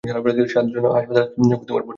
সাত জনকে হাসপাতালে ভর্তি করা হয়েছিল।